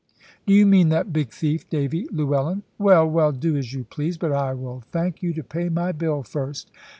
"Do you mean that big thief, Davy Llewellyn? Well, well, do as you please. But I will thank you to pay my bill first."